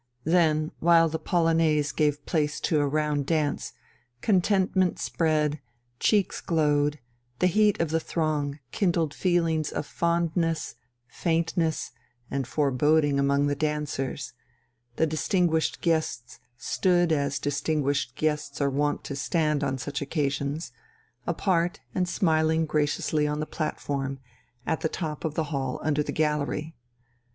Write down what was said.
Then, while the polonaise gave place to a round dance, contentment spread, cheeks glowed, the heat of the throng kindled feelings of fondness, faintness, and foreboding among the dancers, the distinguished guests stood as distinguished guests are wont to stand on such occasions apart and smiling graciously on the platform, at the top of the hall under the gallery.